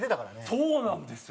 そうなんですよ。